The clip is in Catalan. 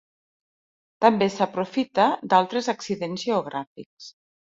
També s'aprofita d'altres accidents geogràfics.